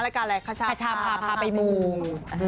การอะไรคชาพาพาไปมู